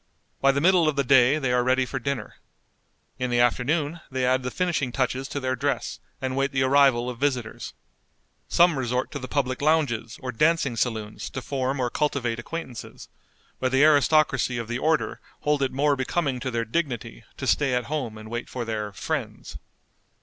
By the middle of the day they are ready for dinner. In the afternoon they add the finishing touches to their dress, and wait the arrival of visitors. Some resort to the public lounges or dancing saloons to form or cultivate acquaintances, but the aristocracy of the order hold it more becoming to their dignity to stay at home and wait for their "friends."